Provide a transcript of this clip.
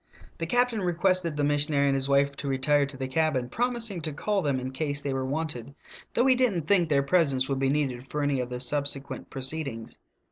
The captain requested the missionary and his wife to retire to the cabin, promising to call them 266 THE TALKING HANDKERCHIEF. in case they were wanted, though he didn't think their presence would be needed for any of the sub sequent proceedings.